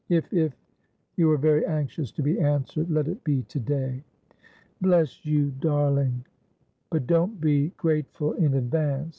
' If — if — you are very anxious to be answered — let it be to day.' ' Bless you, darling !'' But don't be grateful in advance.